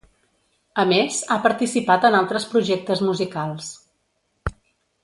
A més, ha participat en altres projectes musicals.